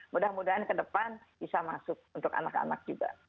mudah mudahan ke depan bisa masuk untuk anak anak juga